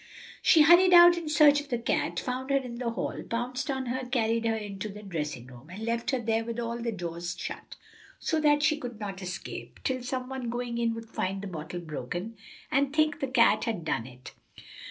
She hurried out in search of the cat, found her in the hall, pounced on her, carried her into the dressing room, and left her there with all the doors shut, so that she could not escape, till some one going in would find the bottle broken, and think the cat had done it.